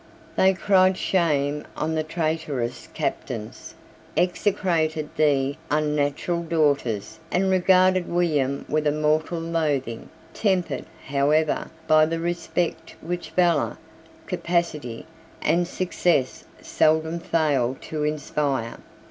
They cried shame on the traitorous captains, execrated the unnatural daughters, and regarded William with a mortal loathing, tempered, however, by the respect which valour, capacity, and success seldom fail to inspire.